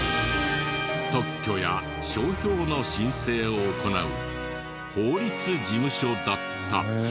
特許や商標の申請を行う法律事務所だった。